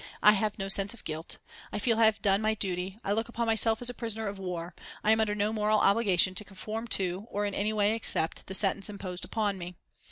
I have no sense of guilt. I feel I have done my duty. I look upon myself as a prisoner of war. I am under no moral obligation to conform to, or in any way accept, the sentence imposed upon me.